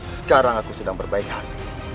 sekarang aku sedang berbaik hati